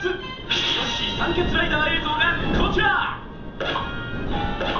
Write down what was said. イノシシサンケツライダー映像がこちら！